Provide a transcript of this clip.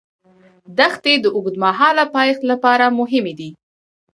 دښتې د اوږدمهاله پایښت لپاره مهمې دي.